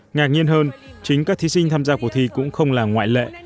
ngạc nhiên hơn chính các thí sinh tham gia cuộc thi cũng không làm sao